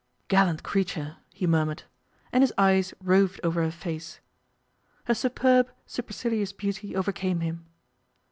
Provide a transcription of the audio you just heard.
'Gallant creature!' he murmured, and his eyes roved over her face. Her superb, supercilious beauty overcame him.